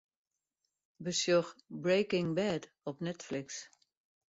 Besjoch 'Breaking Bad' op Netflix.